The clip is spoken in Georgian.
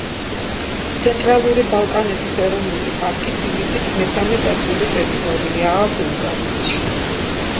ცენტრალური ბალკანეთის ეროვნული პარკი სიდიდით მესამე დაცული ტერიტორიაა ბულგარეთში.